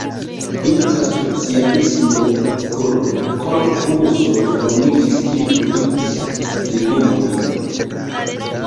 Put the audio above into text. Dum la socialismo kolĥozo formiĝis, kiu produktis legomojn.